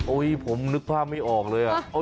โอ้ยผมนึกภาพไม่ออกเลยอ่ะ